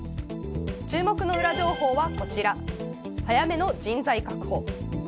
注目の裏情報はこちら早めの人材確保。